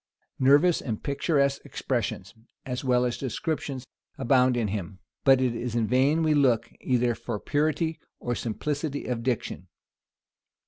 Nervous and picturesque expressions, as well as descriptions, abound in him; but it is in vain we look either for purity or simplicity of diction.